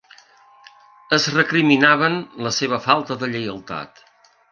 Es recriminaven la seva falta de lleialtat.